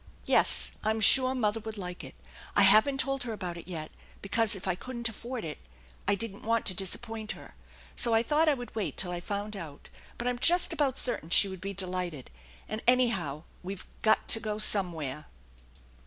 Yes, I'm sure mother would like it. I haven't told her about it yet, because if I couldn't afford it I didn't want to disappoint her; so I thought I would wait till I found out; but I'm just about certain she would be delighted. And any how we've got to go somewhere."